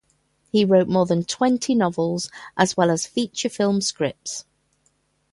He wrote more than twenty novels as well as feature film scripts.